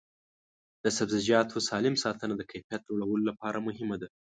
د سبزیجاتو سالم ساتنه د کیفیت لوړولو لپاره مهمه ده.